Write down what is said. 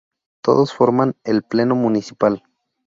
Todos forman el Pleno municipal.